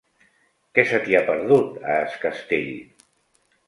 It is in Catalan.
Què se t'hi ha perdut, a Es Castell?